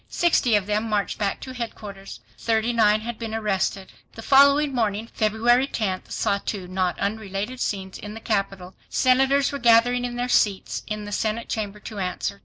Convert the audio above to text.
Sixty of them marched back to headquarters. Thirty nine had been arrested. The following morning, February 10th, saw two not unrelated scenes in the capital. Senators were gathering in their seats in the senate chamber to answer.